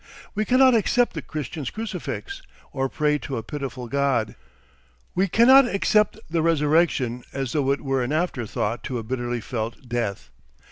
We cannot accept the Christian's crucifix, or pray to a pitiful God. We cannot accept the Resurrection as though it were an after thought to a bitterly felt death.